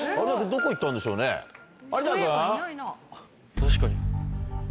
・確かに・